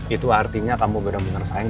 itu artinya kamu benar benar sayang